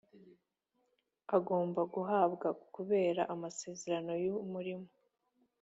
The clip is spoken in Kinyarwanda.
agomba guhabwa kubera amasezerano y umurimo